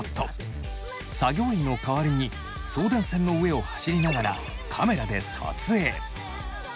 作業員の代わりに送電線の上を走りながらカメラで撮影。